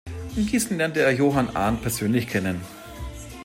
In Gießen lernte er Johann Arndt persönlich kennen.